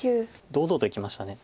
堂々といきました。